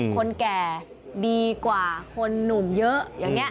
คนแก่ดีกว่าคนนุ่มเยอะ